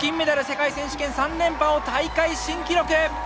世界選手権３連覇を大会新記録！